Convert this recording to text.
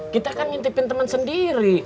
kita kan ngintipin teman sendiri